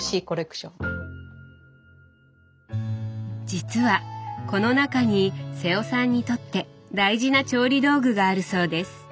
実はこの中に瀬尾さんにとって大事な調理道具があるそうです。